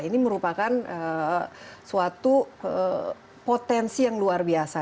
ini merupakan suatu potensi yang luar biasa